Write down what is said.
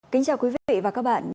kính chào quý vị và các bạn